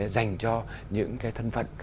dành cho những cái thân phận